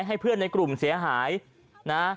ให้เพื่อนในกลุ่มเสียหายนะ